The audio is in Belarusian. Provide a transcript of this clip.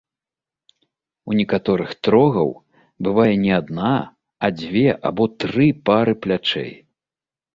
У некаторых трогаў бывае не адна, а дзве або тры пары плячэй.